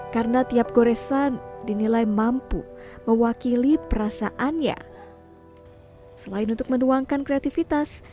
karena tiap goresan dinilai mampu mewakili perasaannya selain untuk menuangkan kreativitas